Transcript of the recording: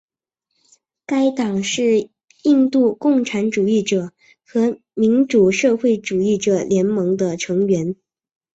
该党是印度共产主义者和民主社会主义者联盟的成员。